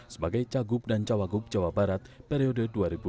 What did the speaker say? sebagai cagup dan cawagup jawa barat periode dua ribu delapan belas dua ribu dua puluh tiga